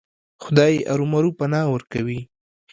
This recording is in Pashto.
خدای ارومرو پناه ورکوي.